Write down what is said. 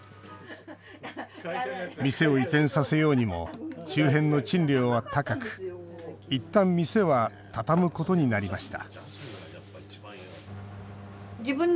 店を移転させようにも周辺の賃料は高くいったん店は畳むことになりました